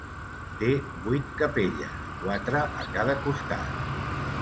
Té vuit capelles, quatre a cada costat.